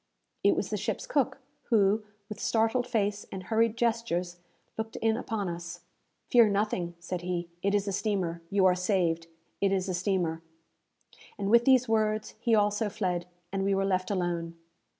It was the ship's cook, who, with startled face and hurried gestures, looked in upon us. "Fear nothing," said he. "It is a steamer! You are saved! It is a steamer!" And with these words he also fled, and we were left alone.